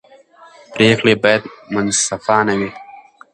پرېکړې باید منصفانه وي